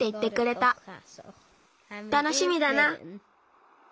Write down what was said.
たのしみだな。